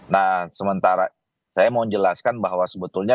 nah sementara saya mau jelaskan bahwa sebetulnya